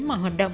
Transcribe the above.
mọi hoạt động